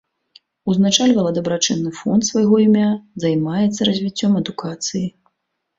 Узначальвала дабрачынны фонд свайго імя, займаецца развіццём адукацыі.